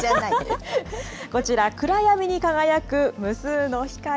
こちら、暗闇に輝く無数の光。